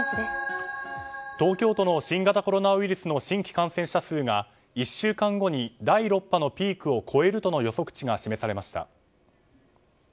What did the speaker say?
東京都の新型コロナウイルスの新規感染者数が１週間後に第６波のピークを超えるとの予測値が示されました。